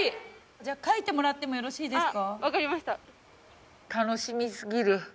じゃあ書いてもらってもよろしいですか？